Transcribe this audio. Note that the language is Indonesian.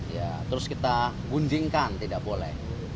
ya terus kita gunjingkan tidak boleh